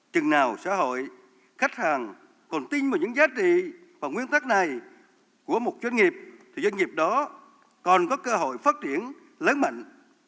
chừng nào xã hội khách hàng còn tin vào những giá trị và nguyên tắc này của một doanh nghiệp thì doanh nghiệp đó còn có cơ hội phát triển lớn mạnh